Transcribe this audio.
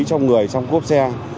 trong người trong cốp xe